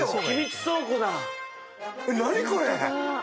何これ⁉